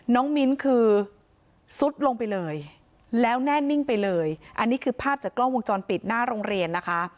มิ้นคือซุดลงไปเลยแล้วแน่นิ่งไปเลยอันนี้คือภาพจากกล้องวงจรปิดหน้าโรงเรียนนะคะ